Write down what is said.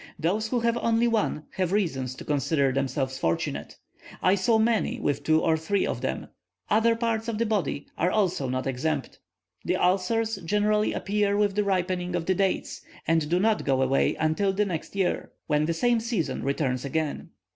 Those who have only one have reason to consider themselves fortunate; I saw many with two or three of them. Other parts of the body are also not exempt. The ulcers generally appear with the ripening of the dates, and do not go away until the next year, when the same season returns again.